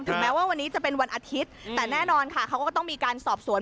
แม้ว่าวันนี้จะเป็นวันอาทิตย์แต่แน่นอนค่ะเขาก็ต้องมีการสอบสวน